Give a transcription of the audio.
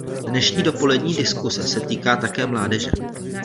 Dnešní dopolední diskuse se týká také mládeže.